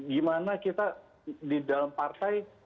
gimana kita di dalam partai